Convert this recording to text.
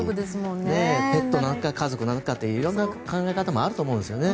ペットなのか家族なのかという色んな考え方もあると思うんですよね。